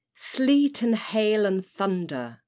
Sleet! and Hail! and Thunder!